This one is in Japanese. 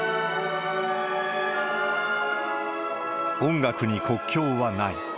音楽に国境はない。